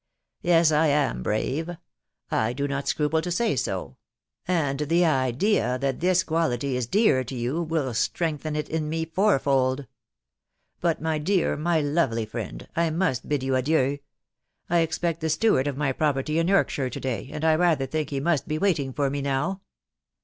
Yes, I am brave — I do not scruple to say so ; and the idea that this qua lity is dear to you, will strengthen it in me four.fold. ... But, my dear, my lovely friend ! I roust bid you adieu. I expect the steward of my property in Yorkshire to day, and I rather think he must be wailing for me now.